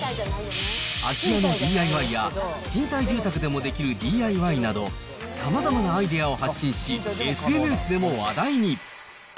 空き家のＤＩＹや、賃貸住宅でもできるＤＩＹなど、さまざまなアイデアを発信し、ＳＮＳでも話題に。